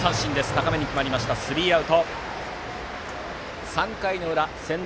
高めに決まりましてスリーアウト。